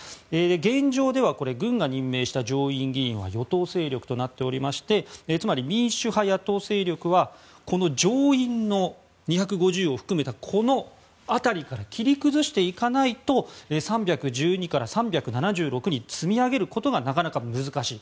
現状では、軍が任命した上院議員は与党勢力となっていましてつまり、民主派野党勢力はこの上院の２５０を含めたこの辺りから切り崩していかないと３１２から３７６に積み上げることがなかなか難しい。